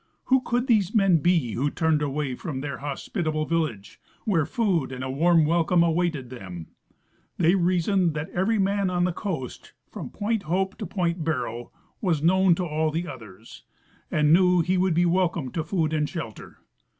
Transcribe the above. Who could these men be Avho turned away from their hospitable vil lage, where food and a warm welcome awaited them ? The\' reasoned that every man on the coast from point Hope to point Barrow was knoAvn to all the others, and knew he would be wel come to food and shelter.